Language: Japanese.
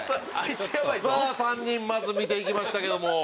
さあ３人まず見ていきましたけども。